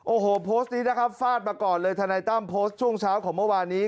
โอ้โหโพสต์นี้นะครับฟาดมาก่อนเลยทนายตั้มโพสต์ช่วงเช้าของเมื่อวานนี้